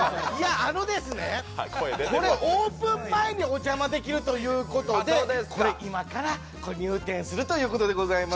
あのですね、これ、オープン前にお邪魔できるということで今から入店するということでございます。